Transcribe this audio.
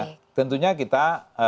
nah tentunya kita